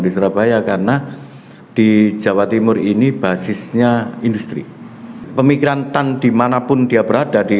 di surabaya karena di jawa timur ini basisnya industri pemikiran tan dimanapun dia berada di